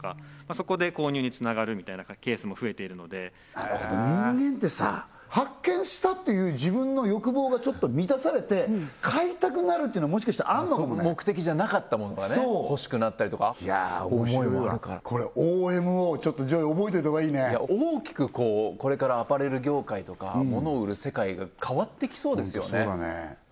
そこで購入につながるみたいなケースも増えているのでなるほど人間ってさ発見したっていう自分の欲望がちょっと満たされて買いたくなるっていうのもしかしてあるのかもね目的じゃなかったものがね欲しくなったりとかいや面白いわ思いもあるからこれＯＭＯちょっとＪＯＹ覚えておいたほうがいいね大きくこうこれからアパレル業界とか物を売る世界が変わっていきそうですよね